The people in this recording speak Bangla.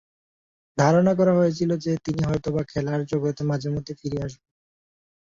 ধারণা করা হয়েছিল যে, তিনি হয়তোবা খেলার জগতে মাঝে-মধ্যে ফিরে আসবেন।